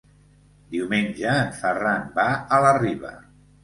Diumenge en Ferran va a la Riba.